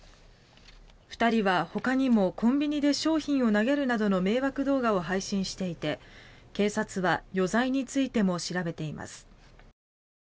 ２人はほかにもコンビニで商品を投げるなどの迷惑動画を配信していて警察は余罪についても調べています。